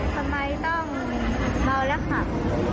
ทำไมต้องเมาแล้วขับ